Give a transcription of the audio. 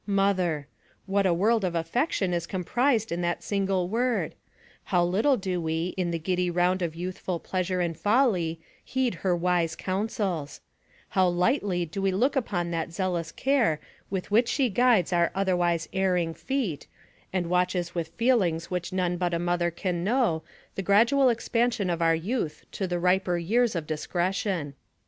Mother! what a world of affection is comprised in that single word ; how little do we in the giddy round of youthful pleasure and folly heed her wise counsels; how lightly do we look upon that zealous care with which she guides our otherwise erring feet, and watches with feelings which none but a mother can know the gradual expansion of our youth to the riper years of discretion.